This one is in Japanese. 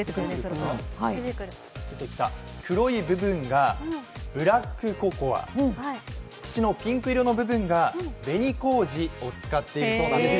黒い部分がブラックココア、口のピンク色の部分が紅こうじを使ってイルそうなんです。